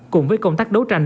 cùng với công tác đấu tranh